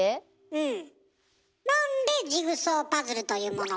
うん。